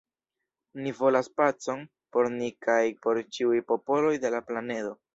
Ni volas pacon por ni kaj por ĉiuj popoloj de la planedo.